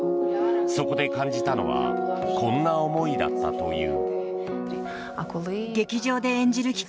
そこで感じたのはこんな思いだったという。